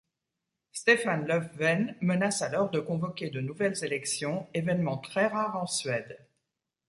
Stefan Löfven menace alors de convoquer de nouvelles élections, évènement très rare en Suède.